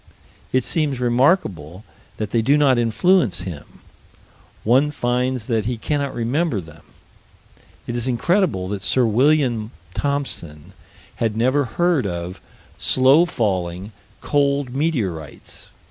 It seems remarkable that they do not influence him one finds that he cannot remember them. It is incredible that Sir William Thomson had never heard of slow falling, cold meteorites.